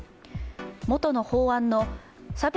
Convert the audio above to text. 元の法案の差別